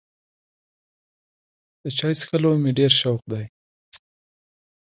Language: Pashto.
د چای څښلو مې ډېر شوق دی.